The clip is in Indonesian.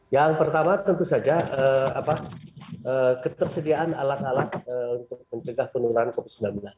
yang pertama tentu saja ketersediaan alat alat untuk mencegah penularan covid sembilan belas